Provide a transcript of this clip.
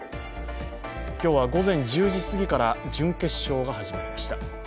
今日は午前１０時すぎから準決勝が始まりました。